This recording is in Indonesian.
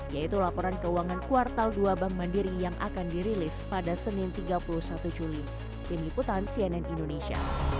yaitu laporan keuangan kuartal dua bank mandiri yang akan dirilis pada senin tiga puluh satu juli